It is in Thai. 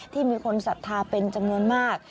ที่มีคนศรัทธาเป็นจำนวนมาก